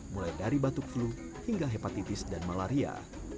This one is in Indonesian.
mulai dari batuk flu hingga hepatitis dan malaria